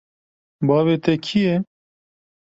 Bavê te kî ye?